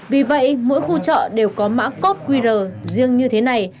vì vậy mỗi khu trọ đều có mã cốt qr riêng như thế này